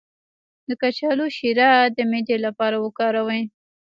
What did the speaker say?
د کچالو شیره د معدې لپاره وکاروئ